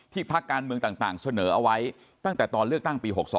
พักการเมืองต่างเสนอเอาไว้ตั้งแต่ตอนเลือกตั้งปี๖๒